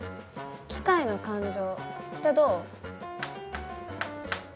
「機械の感情」ってどう？